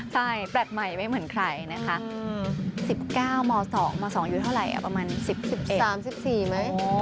ใช่แปลกใหม่ไม่เหมือนใครนะคะ๑๙ม๒ม๒อยู่เท่าไหร่ประมาณ๑๓๑๔ไหม